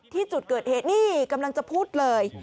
ที่จุดเกิดเหตุนี่กำลังจะพูดเลย